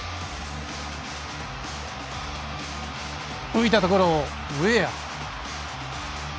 浮いたところをウェア。